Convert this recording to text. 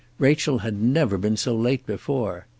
Rachel had never been so late before.